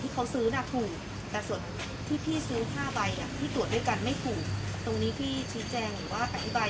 คือให้พี่เนี่ยซื้อล็อตเตอรี่ให้แล้วก็เขาก็จะหยิบล็อตเตอรี่กัน